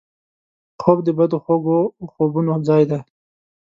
خوب د بدو خوږو خوبونو ځای دی